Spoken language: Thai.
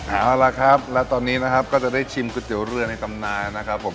เอาละครับและตอนนี้นะครับก็จะได้ชิมก๋วยเตี๋ยวเรือในตำนานนะครับผม